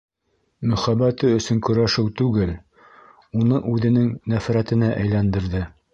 Мөхәббәте өсөн көрәшеү түгел, уны үҙенең... нәфрәтенә әйләндерҙе.